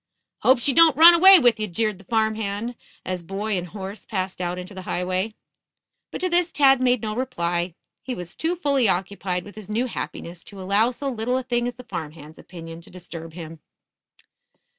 "Hope she don't run away with ye," jeered the farm hand, as boy and horse passed out into the highway. But to this Tad made no reply. He was too fully occupied with his new happiness to allow so little a thing as the farm hand's opinion to disturb him.